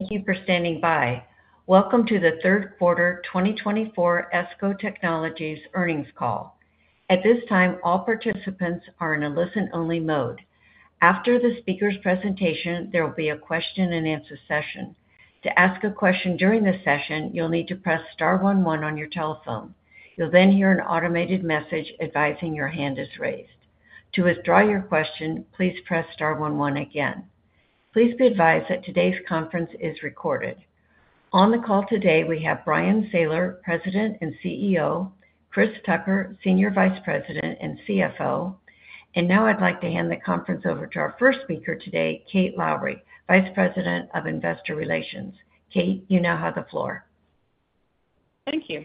Thank you for standing by. Welcome to the third quarter 2024 ESCO Technologies earnings call. At this time, all participants are in a listen-only mode. After the speaker's presentation, there will be a question-and-answer session. To ask a question during the session, you'll need to press star one one on your telephone. You'll then hear an automated message advising your hand is raised. To withdraw your question, please press star one one again. Please be advised that today's conference is recorded. On the call today, we have Bryan Sayler, President and CEO, Chris Tucker, Senior Vice President and CFO. Now I'd like to hand the conference over to our first speaker today, Kate Lowrey, Vice President of Investor Relations. Kate, you now have the floor. Thank you.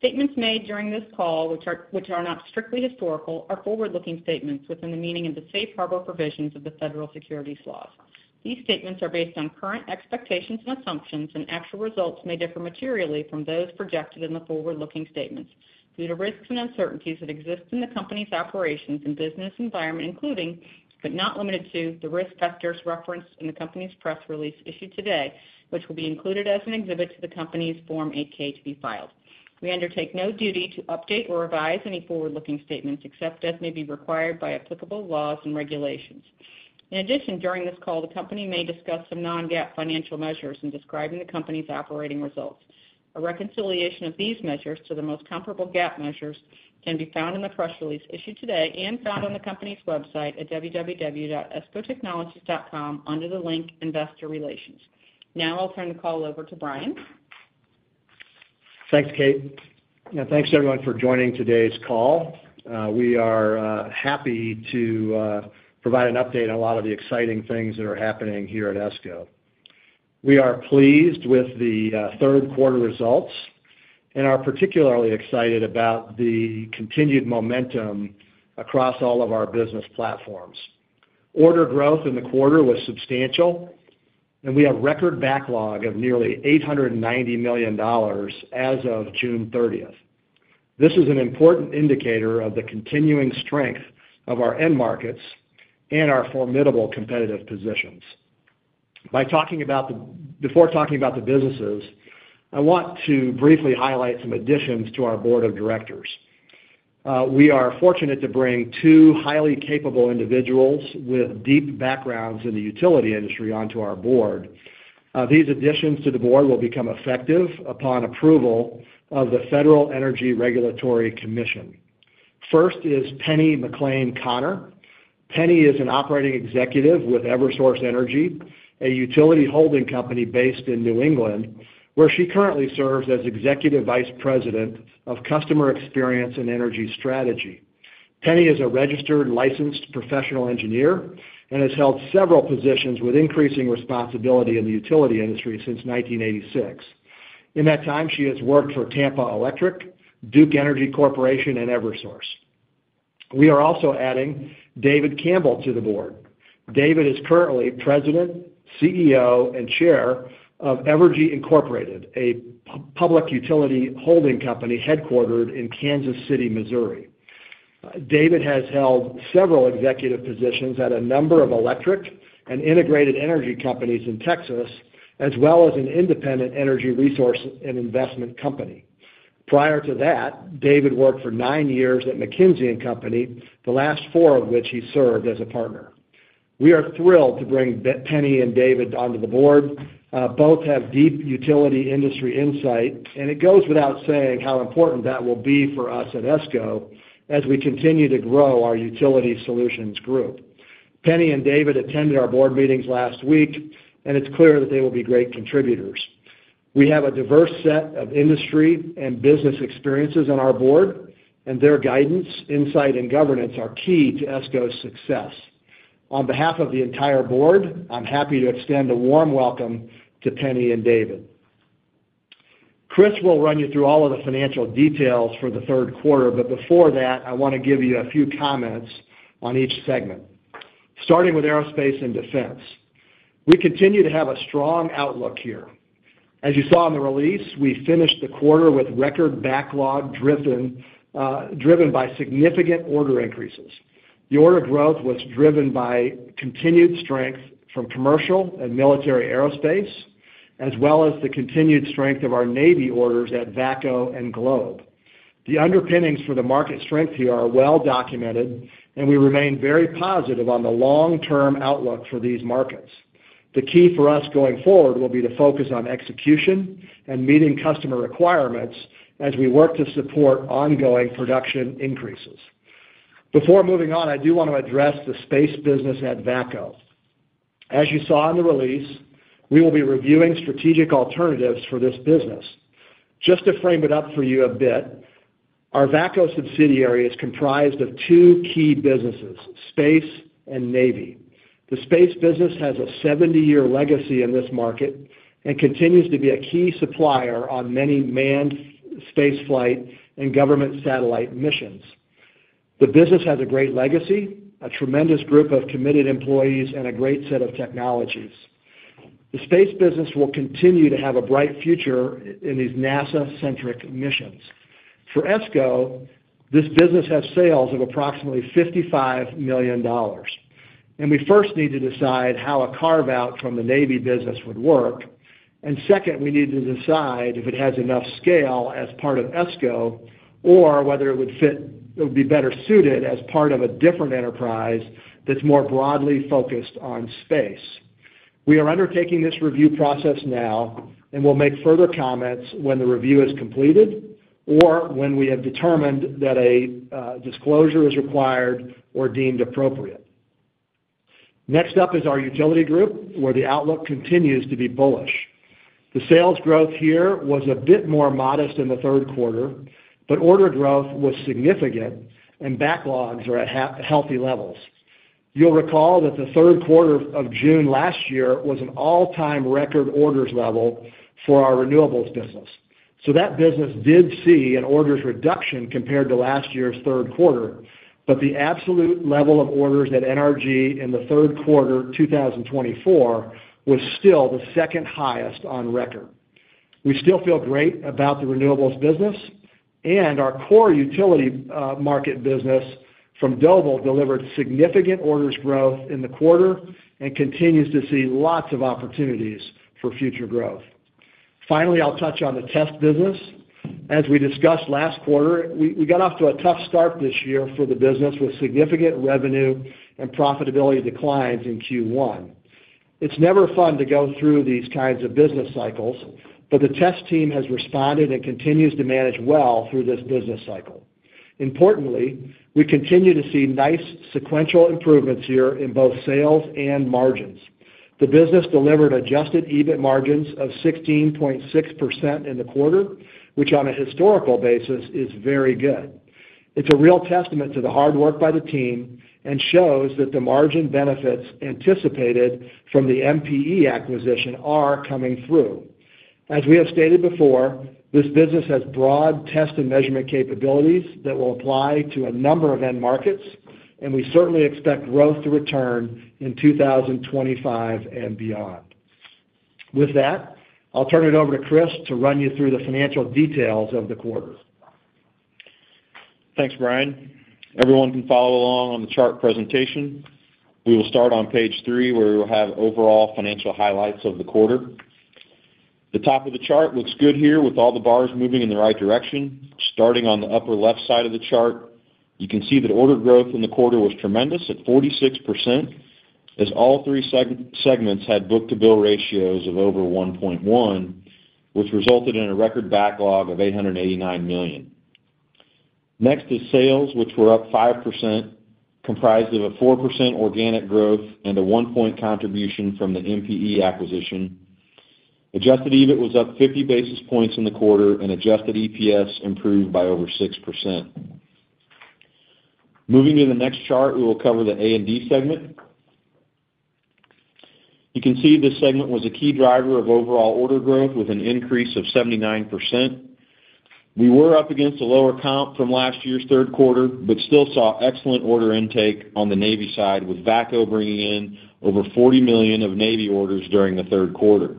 Statements made during this call, which are not strictly historical, are forward-looking statements within the meaning of the safe harbor provisions of the federal securities laws. These statements are based on current expectations and assumptions, and actual results may differ materially from those projected in the forward-looking statements due to risks and uncertainties that exist in the company's operations and business environment, including, but not limited to, the risk factors referenced in the company's press release issued today, which will be included as an exhibit to the company's Form 8-K to be filed. We undertake no duty to update or revise any forward-looking statements except as may be required by applicable laws and regulations. In addition, during this call, the company may discuss some non-GAAP financial measures in describing the company's operating results. A reconciliation of these measures to the most comparable GAAP measures can be found in the press release issued today and found on the company's website at www.escotechnologies.com under the link Investor Relations. Now I'll turn the call over to Bryan. Thanks, Kate. And thanks, everyone, for joining today's call. We are happy to provide an update on a lot of the exciting things that are happening here at ESCO. We are pleased with the third quarter results, and are particularly excited about the continued momentum across all of our business platforms. Order growth in the quarter was substantial, and we have a record backlog of nearly $890 million as of June 30th. This is an important indicator of the continuing strength of our end markets and our formidable competitive positions. Before talking about the businesses, I want to briefly highlight some additions to our board of directors. We are fortunate to bring two highly capable individuals with deep backgrounds in the utility industry onto our board. These additions to the board will become effective upon approval of the Federal Energy Regulatory Commission. First is Penny McLean-Conner. Penny is an operating executive with Eversource Energy, a utility holding company based in New England, where she currently serves as Executive Vice President of Customer Experience and Energy Strategy. Penny is a registered, licensed professional engineer and has held several positions with increasing responsibility in the utility industry since 1986. In that time, she has worked for Tampa Electric, Duke Energy Corporation, and Eversource. We are also adding David Campbell to the board. David is currently President, CEO, and Chair of Evergy, Inc., a public utility holding company headquartered in Kansas City, Missouri. David has held several executive positions at a number of electric and integrated energy companies in Texas, as well as an independent energy resource and investment company. Prior to that, David worked for nine years at McKinsey & Company, the last four of which he served as a partner. We are thrilled to bring Penny and David onto the board. Both have deep utility industry insight, and it goes without saying how important that will be for us at ESCO as we continue to grow our Utility Solutions Group. Penny and David attended our board meetings last week, and it's clear that they will be great contributors. We have a diverse set of industry and business experiences on our board, and their guidance, insight, and governance are key to ESCO's success. On behalf of the entire board, I'm happy to extend a warm welcome to Penny and David. Chris will run you through all of the financial details for the third quarter, but before that, I want to give you a few comments on each segment, starting with aerospace and defense. We continue to have a strong outlook here. As you saw in the release, we finished the quarter with record backlog driven by significant order increases. The order growth was driven by continued strength from commercial and military aerospace, as well as the continued strength of our Navy orders at VACCO and Globe. The underpinnings for the market strength here are well documented, and we remain very positive on the long-term outlook for these markets. The key for us going forward will be to focus on execution and meeting customer requirements as we work to support ongoing production increases. Before moving on, I do want to address the space business at VACCO. As you saw in the release, we will be reviewing strategic alternatives for this business. Just to frame it up for you a bit, our VACCO subsidiary is comprised of two key businesses: space and Navy. The space business has a 70-year legacy in this market and continues to be a key supplier on many manned spaceflight and government satellite missions. The business has a great legacy, a tremendous group of committed employees, and a great set of technologies. The space business will continue to have a bright future in these NASA-centric missions. For ESCO, this business has sales of approximately $55 million, and we first need to decide how a carve-out from the Navy business would work. Second, we need to decide if it has enough scale as part of ESCO or whether it would be better suited as part of a different enterprise that's more broadly focused on space. We are undertaking this review process now, and we'll make further comments when the review is completed or when we have determined that a disclosure is required or deemed appropriate. Next up is our utility group, where the outlook continues to be bullish. The sales growth here was a bit more modest in the third quarter, but order growth was significant, and backlogs are at healthy levels. You'll recall that the third quarter of June last year was an all-time record orders level for our renewables business. So that business did see an orders reduction compared to last year's third quarter, but the absolute level of orders at NRG in the third quarter 2024 was still the second highest on record. We still feel great about the renewables business, and our core utility market business from Doble delivered significant orders growth in the quarter and continues to see lots of opportunities for future growth. Finally, I'll touch on the test business. As we discussed last quarter, we got off to a tough start this year for the business with significant revenue and profitability declines in Q1. It's never fun to go through these kinds of business cycles, but the test team has responded and continues to manage well through this business cycle. Importantly, we continue to see nice sequential improvements here in both sales and margins. The business delivered Adjusted EBIT margins of 16.6% in the quarter, which on a historical basis is very good. It's a real testament to the hard work by the team and shows that the margin benefits anticipated from the MPE acquisition are coming through. As we have stated before, this business has broad test and measurement capabilities that will apply to a number of end markets, and we certainly expect growth to return in 2025 and beyond. With that, I'll turn it over to Chris to run you through the financial details of the quarter. Thanks, Bryan. Everyone can follow along on the chart presentation. We will start on page 3, where we will have overall financial highlights of the quarter. The top of the chart looks good here with all the bars moving in the right direction. Starting on the upper left side of the chart, you can see that order growth in the quarter was tremendous at 46%, as all three segments had book-to-bill ratios of over 1.1, which resulted in a record backlog of $889 million. Next is sales, which were up 5%, comprised of a 4% organic growth and a 1-point contribution from the MPE acquisition. Adjusted EBIT was up 50 basis points in the quarter, and adjusted EPS improved by over 6%. Moving to the next chart, we will cover the A and D segment. You can see this segment was a key driver of overall order growth with an increase of 79%. We were up against a lower comp from last year's third quarter, but still saw excellent order intake on the Navy side, with VACCO bringing in over $40 million of Navy orders during the third quarter.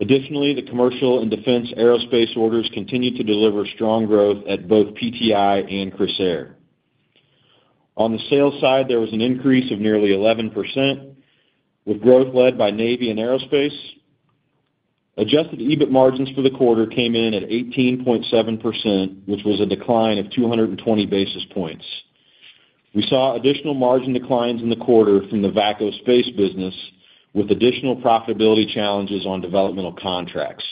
Additionally, the commercial and defense aerospace orders continued to deliver strong growth at both PTI and Crissair. On the sales side, there was an increase of nearly 11%, with growth led by Navy and aerospace. Adjusted EBIT margins for the quarter came in at 18.7%, which was a decline of 220 basis points. We saw additional margin declines in the quarter from the VACCO space business, with additional profitability challenges on developmental contracts.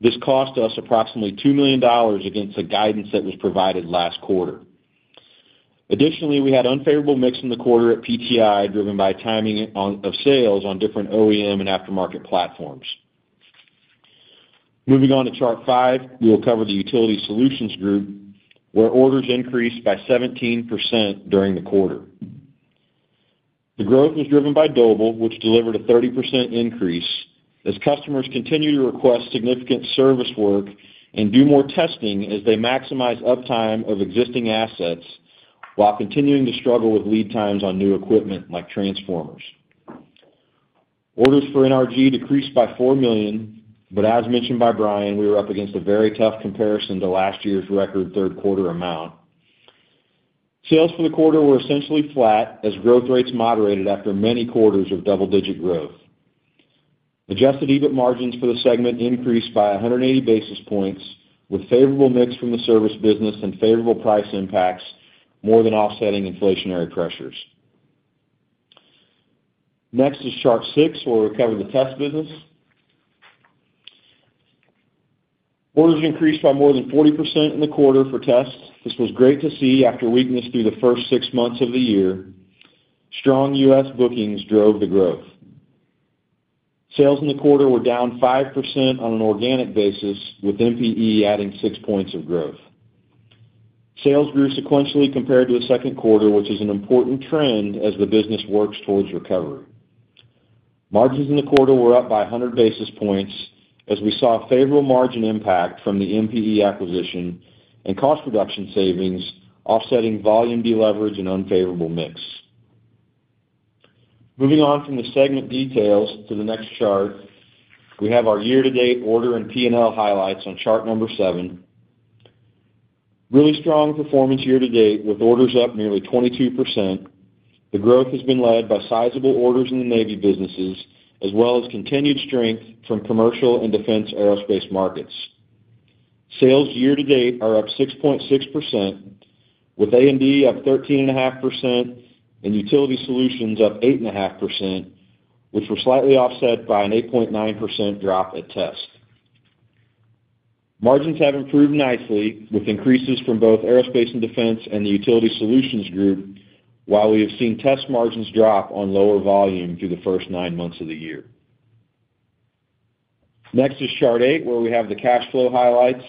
This cost us approximately $2 million against the guidance that was provided last quarter. Additionally, we had an unfavorable mix in the quarter at PTI, driven by timing of sales on different OEM and aftermarket platforms. Moving on to chart 5, we will cover the utility solutions group, where orders increased by 17% during the quarter. The growth was driven by Doble, which delivered a 30% increase, as customers continue to request significant service work and do more testing as they maximize uptime of existing assets while continuing to struggle with lead times on new equipment like transformers. Orders for NRG decreased by $4 million, but as mentioned by Bryan, we were up against a very tough comparison to last year's record third quarter amount. Sales for the quarter were essentially flat, as growth rates moderated after many quarters of double-digit growth. Adjusted EBIT margins for the segment increased by 180 basis points, with favorable mix from the service business and favorable price impacts more than offsetting inflationary pressures. Next is chart 6, where we cover the test business. Orders increased by more than 40% in the quarter for tests. This was great to see after weakness through the first 6 months of the year. Strong U.S. bookings drove the growth. Sales in the quarter were down 5% on an organic basis, with MPE adding 6 points of growth. Sales grew sequentially compared to the second quarter, which is an important trend as the business works towards recovery. Margins in the quarter were up by 100 basis points, as we saw a favorable margin impact from the MPE acquisition and cost reduction savings, offsetting volume deleverage and unfavorable mix. Moving on from the segment details to the next chart, we have our year-to-date order and P&L highlights on chart 7. Really strong performance year-to-date, with orders up nearly 22%. The growth has been led by sizable orders in the Navy businesses, as well as continued strength from commercial and defense aerospace markets. Sales year-to-date are up 6.6%, with A and D up 13.5% and utility solutions up 8.5%, which were slightly offset by an 8.9% drop at test. Margins have improved nicely, with increases from both aerospace and defense and the utility solutions group, while we have seen test margins drop on lower volume through the first nine months of the year. Next is chart 8, where we have the cash flow highlights.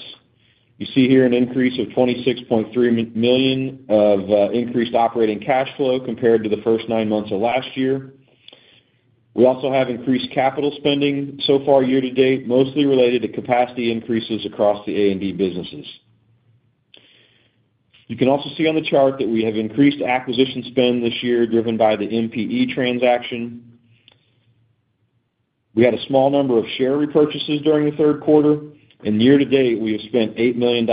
You see here an increase of $26.3 million of increased operating cash flow compared to the first nine months of last year. We also have increased capital spending so far year-to-date, mostly related to capacity increases across the A and D businesses. You can also see on the chart that we have increased acquisition spend this year driven by the MPE transaction. We had a small number of share repurchases during the third quarter, and year-to-date we have spent $8 million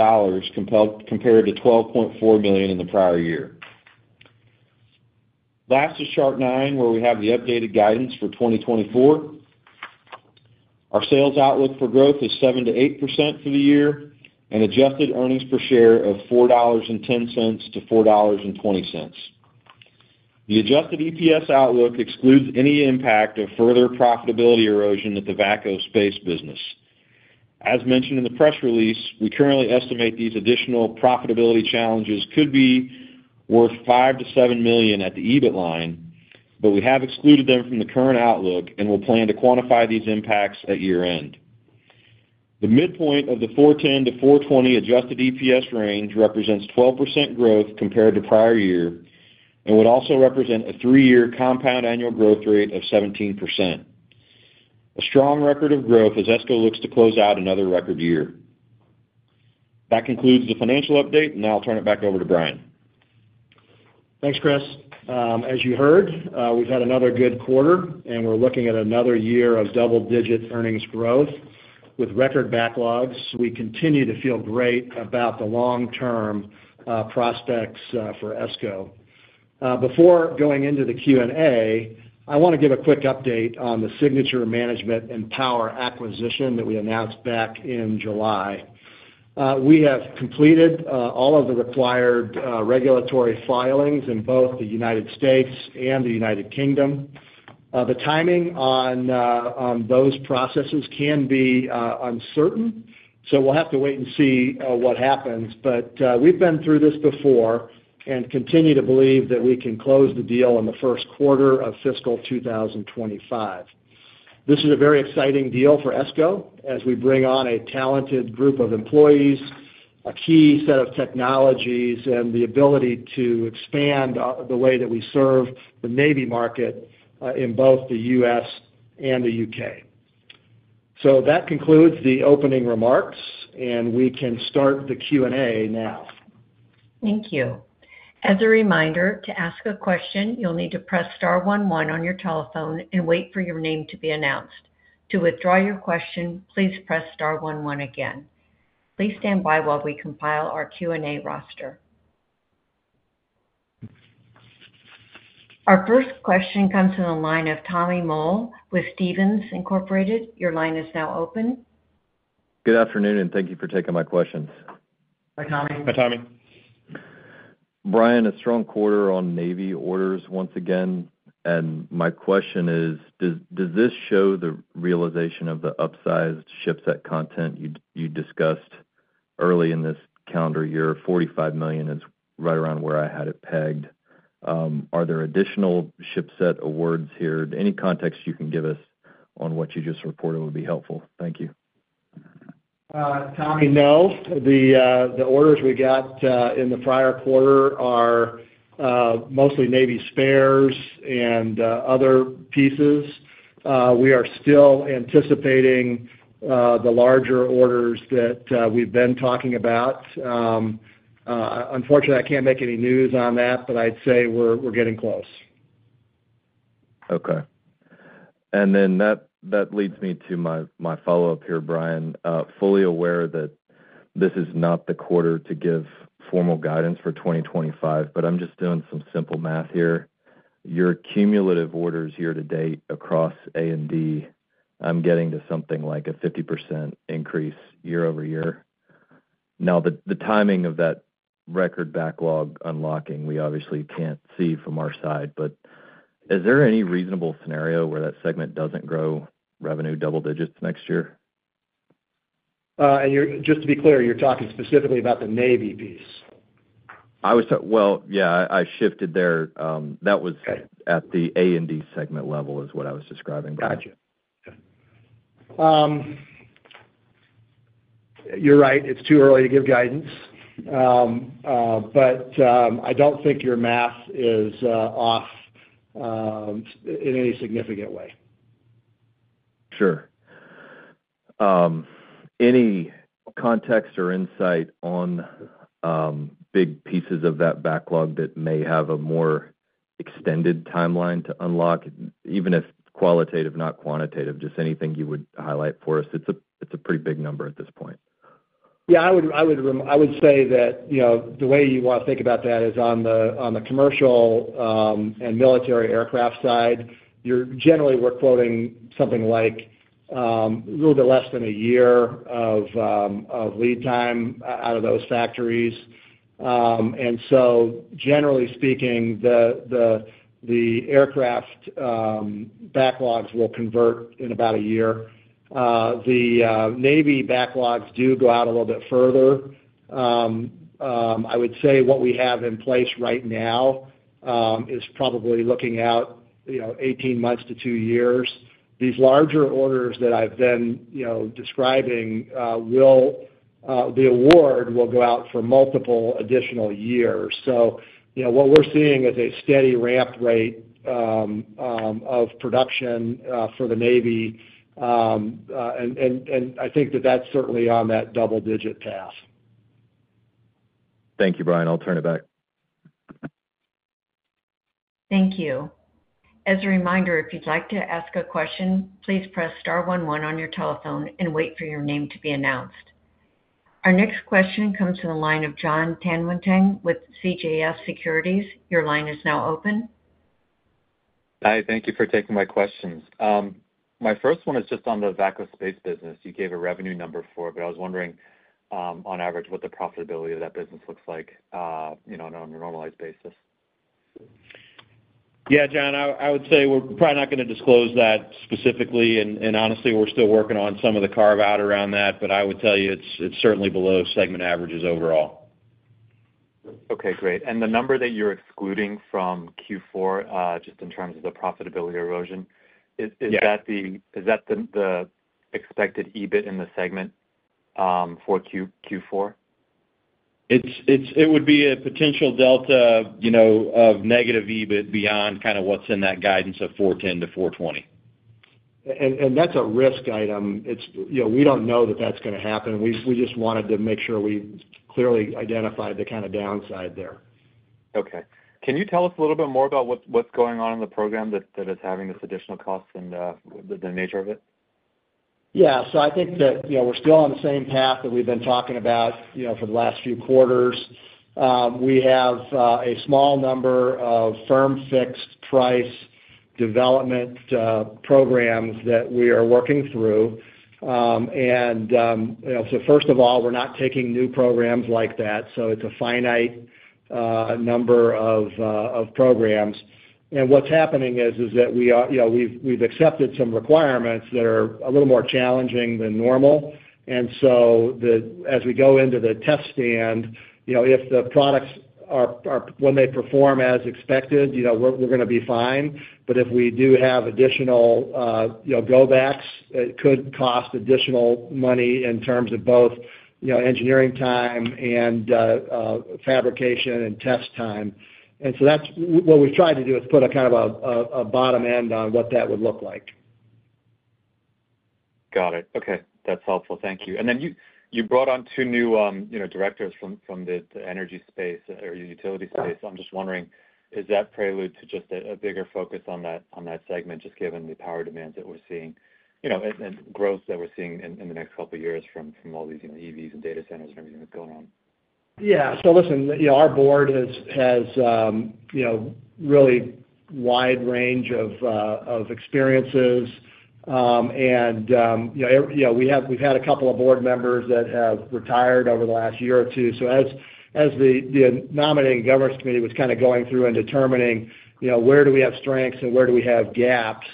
compared to $12.4 million in the prior year. Last is chart 9, where we have the updated guidance for 2024. Our sales outlook for growth is 7%-8% for the year and adjusted earnings per share of $4.10-$4.20. The adjusted EPS outlook excludes any impact of further profitability erosion at the VACCO space business. As mentioned in the press release, we currently estimate these additional profitability challenges could be worth $5 million-$7 million at the EBIT line, but we have excluded them from the current outlook and will plan to quantify these impacts at year-end. The midpoint of the 410-420 adjusted EPS range represents 12% growth compared to prior year and would also represent a three-year compound annual growth rate of 17%. A strong record of growth as ESCO looks to close out another record year. That concludes the financial update, and now I'll turn it back over to Bryan. Thanks, Chris. As you heard, we've had another good quarter, and we're looking at another year of double-digit earnings growth. With record backlogs, we continue to feel great about the long-term prospects for ESCO. Before going into the Q&A, I want to give a quick update on the signature management and power acquisition that we announced back in July. We have completed all of the required regulatory filings in both the United States and the United Kingdom. The timing on those processes can be uncertain, so we'll have to wait and see what happens, but we've been through this before and continue to believe that we can close the deal in the first quarter of fiscal 2025. This is a very exciting deal for ESCO as we bring on a talented group of employees, a key set of technologies, and the ability to expand the way that we serve the Navy market in both the U.S. and the U.K. So that concludes the opening remarks, and we can start the Q&A now. Thank you. As a reminder, to ask a question, you'll need to press star 11 on your telephone and wait for your name to be announced. To withdraw your question, please press star 11 again. Please stand by while we compile our Q&A roster. Our first question comes from the line of Tommy Moll with Stephens Inc. Your line is now open. Good afternoon, and thank you for taking my questions. Hi, Tommy. Hi, Tommy. Bryan, a strong quarter on Navy orders once again, and my question is, does this show the realization of the upsized ship set content you discussed early in this calendar year? $45 million is right around where I had it pegged. Are there additional ship set awards here? Any context you can give us on what you just reported would be helpful. Thank you. Tommy, no. The orders we got in the prior quarter are mostly Navy spares and other pieces. We are still anticipating the larger orders that we've been talking about. Unfortunately, I can't make any news on that, but I'd say we're getting close. Okay. And then that leads me to my follow-up here, Bryan. Fully aware that this is not the quarter to give formal guidance for 2025, but I'm just doing some simple math here. Your cumulative orders year-to-date across A and D, I'm getting to something like a 50% increase year-over-year. Now, the timing of that record backlog unlocking, we obviously can't see from our side, but is there any reasonable scenario where that segment doesn't grow revenue double digits next year? Just to be clear, you're talking specifically about the Navy piece. Well, yeah, I shifted there. That was at the A and D segment level is what I was describing. Gotcha. You're right. It's too early to give guidance, but I don't think your math is off in any significant way. Sure. Any context or insight on big pieces of that backlog that may have a more extended timeline to unlock, even if qualitative, not quantitative, just anything you would highlight for us? It's a pretty big number at this point. Yeah, I would say that the way you want to think about that is on the commercial and military aircraft side, generally, we're quoting something like a little bit less than a year of lead time out of those factories. And so, generally speaking, the aircraft backlogs will convert in about a year. The Navy backlogs do go out a little bit further. I would say what we have in place right now is probably looking out 18 months to 2 years. These larger orders that I've been describing, the award will go out for multiple additional years. So what we're seeing is a steady ramp rate of production for the Navy, and I think that that's certainly on that double-digit path. Thank you, Bryan. I'll turn it back. Thank you. As a reminder, if you'd like to ask a question, please press star 11 on your telephone and wait for your name to be announced. Our next question comes from the line of Jon Tanwanteng with CJS Securities. Your line is now open. Hi, thank you for taking my questions. My first one is just on the VACCO space business. You gave a revenue number for it, but I was wondering, on average, what the profitability of that business looks like on a normalized basis. Yeah, Jon, I would say we're probably not going to disclose that specifically, and honestly, we're still working on some of the carve-out around that, but I would tell you it's certainly below segment averages overall. Okay, great. The number that you're excluding from Q4, just in terms of the profitability erosion, is that the expected EBIT in the segment for Q4? It would be a potential delta of negative EBIT beyond kind of what's in that guidance of $410-$420. That's a risk item. We don't know that that's going to happen. We just wanted to make sure we clearly identified the kind of downside there. Okay. Can you tell us a little bit more about what's going on in the program that is having this additional cost and the nature of it? Yeah. So I think that we're still on the same path that we've been talking about for the last few quarters. We have a small number of firm-fixed price development programs that we are working through. And so first of all, we're not taking new programs like that, so it's a finite number of programs. And what's happening is that we've accepted some requirements that are a little more challenging than normal. And so as we go into the test stand, if the products, when they perform as expected, we're going to be fine, but if we do have additional go backs, it could cost additional money in terms of both engineering time and fabrication and test time. And so what we've tried to do is put kind of a bottom end on what that would look like. Got it. Okay. That's helpful. Thank you. And then you brought on two new directors from the energy space or utility space. I'm just wondering, is that prelude to just a bigger focus on that segment, just given the power demands that we're seeing and growth that we're seeing in the next couple of years from all these EVs and data centers and everything that's going on? Yeah. So listen, our board has really a wide range of experiences, and we've had a couple of board members that have retired over the last year or two. So as the nominating governance committee was kind of going through and determining where do we have strengths and where do we have gaps,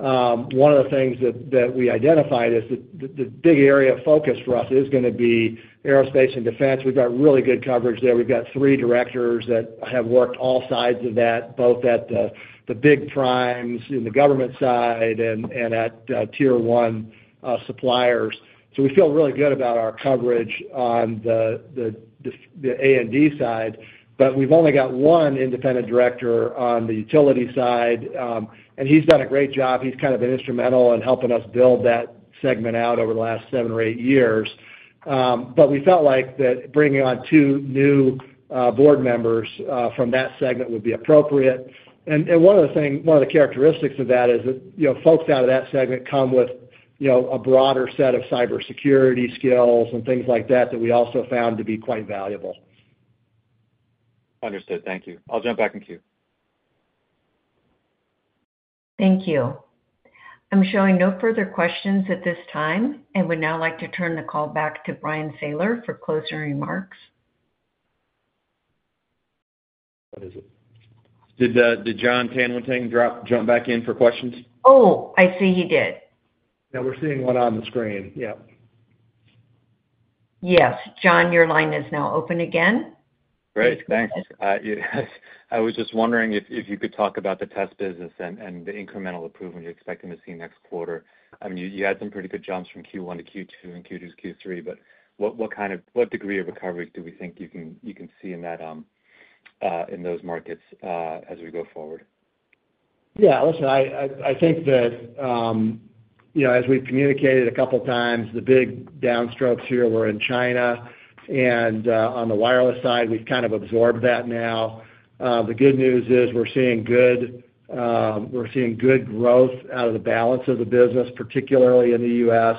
one of the things that we identified is that the big area of focus for us is going to be aerospace and defense. We've got really good coverage there. We've got three directors that have worked all sides of that, both at the big primes in the government side and at tier one suppliers. So we feel really good about our coverage on the A and D side, but we've only got one independent director on the utility side, and he's done a great job. He's kind of been instrumental in helping us build that segment out over the last 7 or 8 years. But we felt like bringing on 2 new board members from that segment would be appropriate. And one of the characteristics of that is that folks out of that segment come with a broader set of cybersecurity skills and things like that that we also found to be quite valuable. Understood. Thank you. I'll jump back into you. Thank you. I'm showing no further questions at this time, and would now like to turn the call back to Bryan Sayler for closing remarks. What is it? Did Jon Tanwanteng jump back in for questions? Oh, I see he did. Yeah, we're seeing one on the screen. Yeah. Yes. Jon, your line is now open again. Great. Thanks. I was just wondering if you could talk about the test business and the incremental improvement you're expecting to see next quarter. I mean, you had some pretty good jumps from Q1 to Q2 and Q2 to Q3, but what degree of recovery do we think you can see in those markets as we go forward? Yeah. Listen, I think that as we've communicated a couple of times, the big downstrokes here were in China, and on the wireless side, we've kind of absorbed that now. The good news is we're seeing good growth out of the balance of the business, particularly in the U.S.,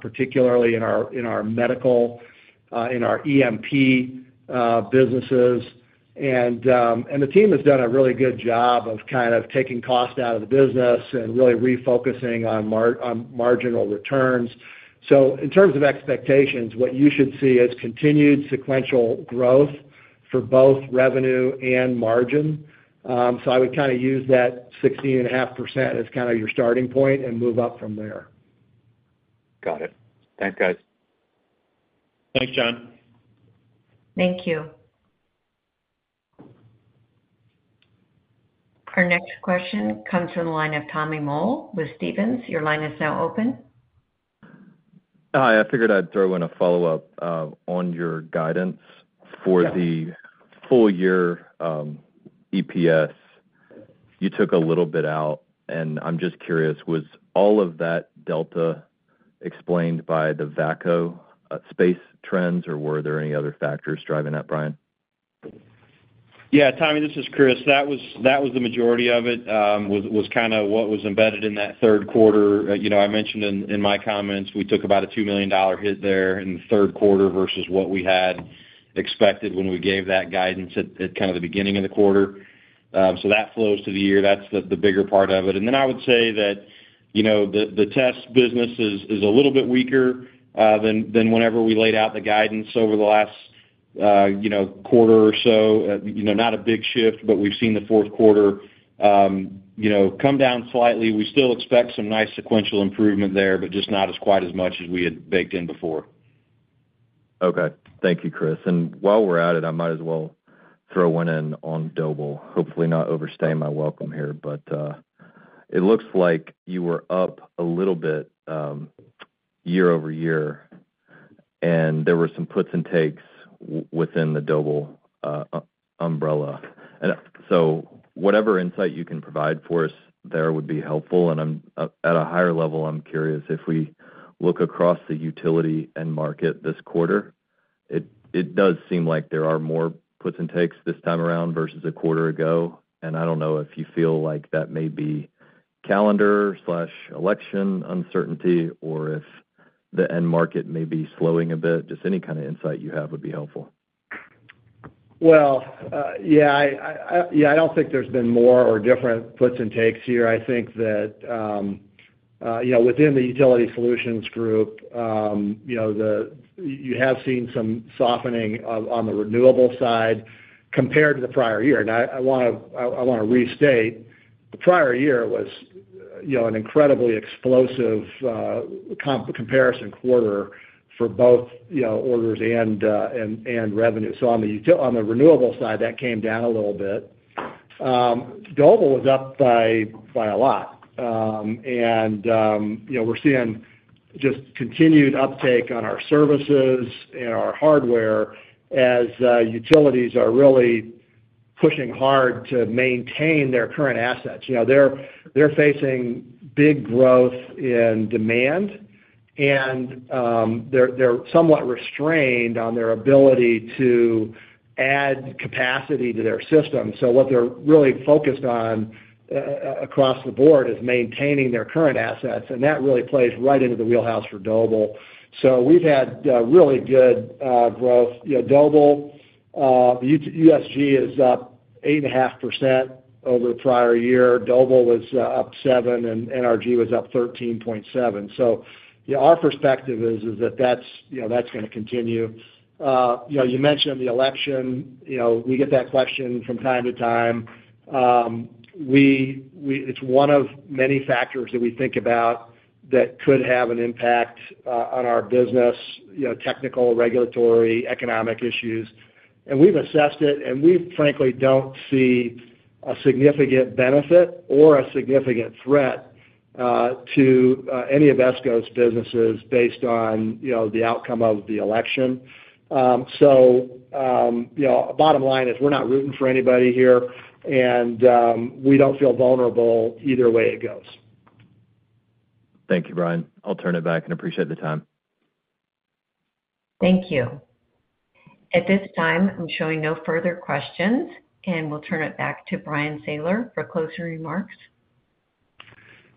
particularly in our medical, in our EMP businesses. And the team has done a really good job of kind of taking cost out of the business and really refocusing on marginal returns. So in terms of expectations, what you should see is continued sequential growth for both revenue and margin. So I would kind of use that 16.5% as kind of your starting point and move up from there. Got it. Thanks, guys. Thanks, Jon. Thank you. Our next question comes from the line of Tommy Moll with Stephens. Your line is now open. Hi. I figured I'd throw in a follow-up on your guidance for the full-year EPS. You took a little bit out, and I'm just curious, was all of that delta explained by the VACCO space trends, or were there any other factors driving that, Bryan? Yeah. Tommy, this is Chris. That was the majority of it, was kind of what was embedded in that third quarter. I mentioned in my comments we took about a $2 million hit there in the third quarter versus what we had expected when we gave that guidance at kind of the beginning of the quarter. So that flows to the year. That's the bigger part of it. And then I would say that the test business is a little bit weaker than whenever we laid out the guidance over the last quarter or so. Not a big shift, but we've seen the fourth quarter come down slightly. We still expect some nice sequential improvement there, but just not quite as much as we had baked in before. Okay. Thank you, Chris. And while we're at it, I might as well throw one in on Doble. Hopefully, not overstay my welcome here, but it looks like you were up a little bit year-over-year, and there were some puts and takes within the Doble umbrella. And so whatever insight you can provide for us there would be helpful. And at a higher level, I'm curious, if we look across the utility and market this quarter, it does seem like there are more puts and takes this time around versus a quarter ago. And I don't know if you feel like that may be calendar/election uncertainty or if the end market may be slowing a bit. Just any kind of insight you have would be helpful. Well, yeah, I don't think there's been more or different puts and takes here. I think that within the utility solutions group, you have seen some softening on the renewable side compared to the prior year. I want to restate, the prior year was an incredibly explosive comparison quarter for both orders and revenue. So on the renewable side, that came down a little bit. Doble was up by a lot. And we're seeing just continued uptake on our services and our hardware as utilities are really pushing hard to maintain their current assets. They're facing big growth in demand, and they're somewhat restrained on their ability to add capacity to their system. So what they're really focused on across the board is maintaining their current assets, and that really plays right into the wheelhouse for Doble. So we've had really good growth. Doble, USG is up 8.5% over the prior year. Doble was up 7%, and NRG was up 13.7%. So our perspective is that that's going to continue. You mentioned the election. We get that question from time to time. It's one of many factors that we think about that could have an impact on our business, technical, regulatory, economic issues. And we've assessed it, and we frankly don't see a significant benefit or a significant threat to any of ESCO's businesses based on the outcome of the election. So bottom line is we're not rooting for anybody here, and we don't feel vulnerable either way it goes. Thank you, Bryan. I'll turn it back and appreciate the time. Thank you. At this time, I'm showing no further questions, and we'll turn it back to Bryan Sayler for closing remarks.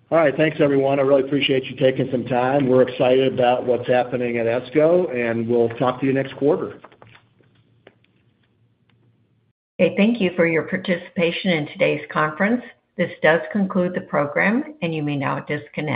All right. Thanks, everyone. I really appreciate you taking some time. We're excited about what's happening at ESCO, and we'll talk to you next quarter. Okay. Thank you for your participation in today's conference. This does conclude the program, and you may now disconnect.